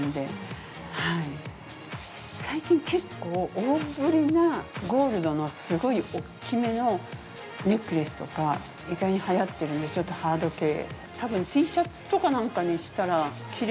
最近、結構大ぶりなゴールドのすごい大きめのネックレスとか意外に、はやっているんでちょっとハード系。